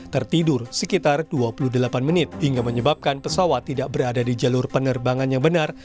tertidur sekitar dua puluh delapan menit hingga menyebabkan pesawat tidak berada di jalur penerbangan yang benar